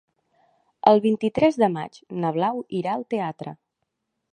El vint-i-tres de maig na Blau irà al teatre.